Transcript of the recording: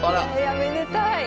めでたい。